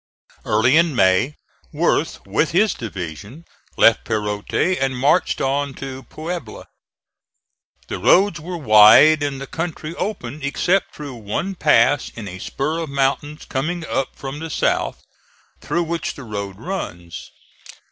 Early in May, Worth, with his division, left Perote and marched on to Puebla. The roads were wide and the country open except through one pass in a spur of mountains coming up from the south, through which the road runs.